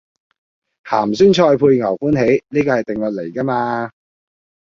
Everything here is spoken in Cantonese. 鹹酸菜配牛歡喜，依個係定律嚟㗎嘛